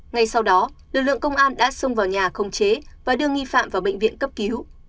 ngay sau đó lực lượng công an đã xông vào nhà không chế và đưa nghi phạm vào bệnh viện cấp cứu